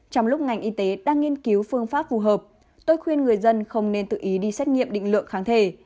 trong lúc ngành y tế đang nghiên cứu phương pháp phù hợp tôi khuyên người dân không nên tự ý đi xét nghiệm định lượng kháng thể